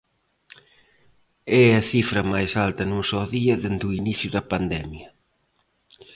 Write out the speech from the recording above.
É a cifra máis alta nun só día dende o inicio da pandemia.